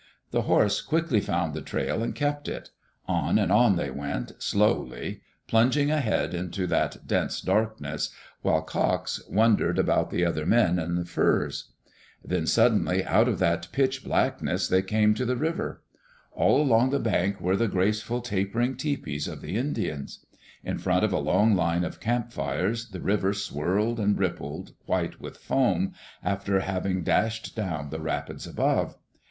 The horse quickly found the trail and kept it On and on they went, slowly, plunging ahead into that dense darkness, while Cox wondered about the other men and the furs. Then, suddenly, out of that pitch blackness, they came Digitized by CjOOQ IC EARLY DAYS IN OLD OREGON to the river. All along the bank were the graceful, taper ing tepees of the Indians. In front of a long line of camp fires the river swirled and rippled, white with foam, after having dashed down die rapids above.